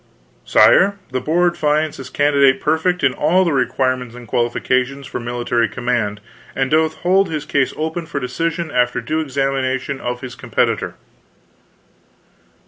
"Sire, the Board finds this candidate perfect in all the requirements and qualifications for military command, and doth hold his case open for decision after due examination of his competitor."